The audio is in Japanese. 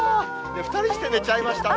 ２人して寝ちゃいましたね。